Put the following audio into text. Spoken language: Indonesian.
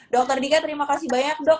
dr dika terima kasih banyak dok